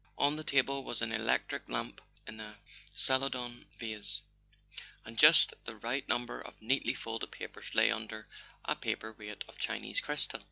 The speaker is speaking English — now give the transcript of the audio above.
On the table was an electric lamp in a celadon vase, and just the right number of neatly folded papers lay under a paper weight of Chinese crystal.